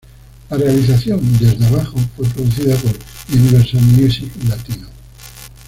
La realización Desde Abajo fue producida por Universal Music Latino.